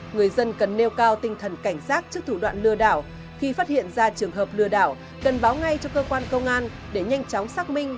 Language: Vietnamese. người dân cần nêu cao tinh thần cảnh giác trước thủ đoạn lừa đảo khi phát hiện ra trường hợp lừa đảo cần báo ngay cho cơ quan công an để nhanh chóng xác minh